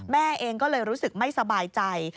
แม่เองก็เลยรู้สึกไม่สบายใจ